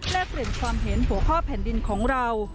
และเปลี่ยนความเห็นหัวข้อแผ่นดินของเรา